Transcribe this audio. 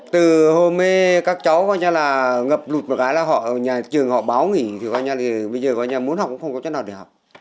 từ hôm nay các cháu ngập lụt một cái là trường họ báo nghỉ bây giờ muốn học cũng không có cháu nào để học